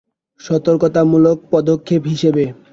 সতর্কতামূলক পদক্ষেপ হিসেবে।